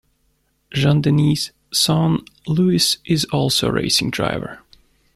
Jean-Denis's son, Louis, is also a racing driver.